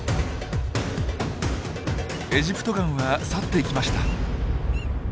エジプトガンは去っていきました。